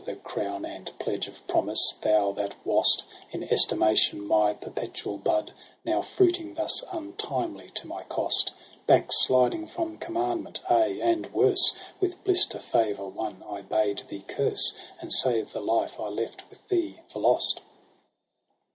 The crown and pledge of promise ! thou that wast In estimation my perpetual bud, Now fruiting thus untimely to my cost ; Backsliding from commandment, ay, and worse. With bliss to favour one I bade thee curse. And save the life I left with thee for lost